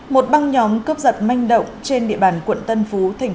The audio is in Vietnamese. một băng nhóm cướp giật manh động trên địa bàn quận tân phú